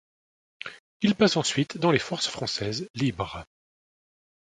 Il passe ensuite dans les Forces françaises libres.